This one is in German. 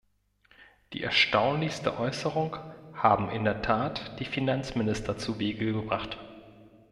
Die erstaunlichste Äußerung haben in der Tat die Finanzminister zuwege gebracht.